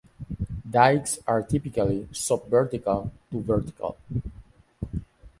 Dykes are typically sub-vertical to vertical.